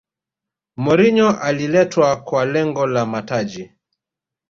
mourinho aliletwa kwa lengo la mataji